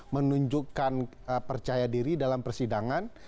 menunjukkan percaya diri dalam persidangan